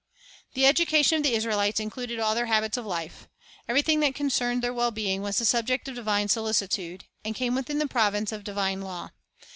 1 The education of the Israelites included all their habits of life. Everything that concerned their well being was the subject of divine solicitude, and came within the province of divine law.